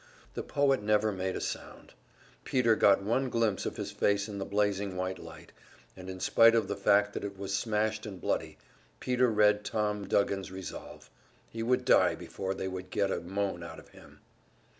The poet never made a sound. Peter got one glimpse of his face in the blazing white light, and in spite of the fact that it was smashed and bloody, Peter read Tom Duggan's resolve he would die before they would get a moan out of him.